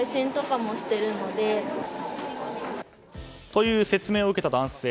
という説明を受けた男性。